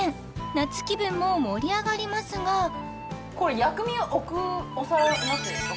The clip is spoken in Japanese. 夏気分も盛り上がりますがこれ薬味置くお皿になってるんですか？